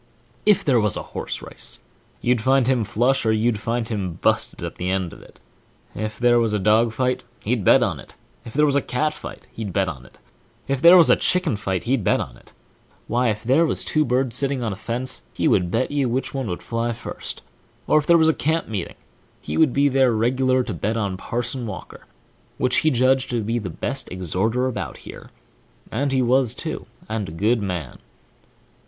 If there was a horse race, you'd find him flush, or you'd find him busted at the end of it; if there was a dogfight, h! ! e'd bet on it; if there was a cat fight, he'd bet on it; if there was a chicken fight, he'd bet on it; why, if there was two birds setting on a fence, he would bet you which one would fly first; or if there was a camp meeting, he would be there reg'lar, to bet on Parson Walker, which he judged to be the best exhorter about here, and so he was, too, and a good man.